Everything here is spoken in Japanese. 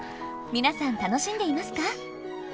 皆さん楽しんでいますか？